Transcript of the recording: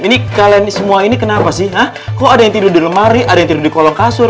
ini kalian semua ini kenapa sih kok ada yang tidur di lemari ada yang tidur di kolong kasur